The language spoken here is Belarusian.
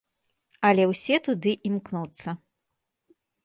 Але ўсе туды імкнуцца.